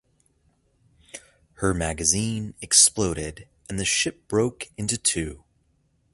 Her magazine exploded and the ship broke into two.